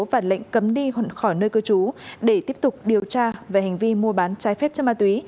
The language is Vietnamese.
và lệnh cấm đi khỏi nơi cư trú để tiếp tục điều tra về hành vi mua bán trái phép chất ma túy